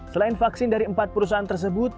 selain vaksin dari empat perusahaan tersebut